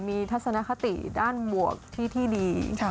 มีทัศนคติด้านหมวกที่ดี